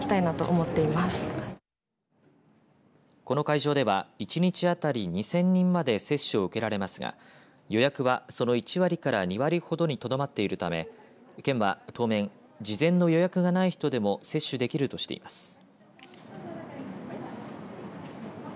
この会場では１日当たり２０００人まで接種を受けられますが予約はその１割から２割ほどにとどまっているため県は当面事前の予約がない人でも接種できるとしています。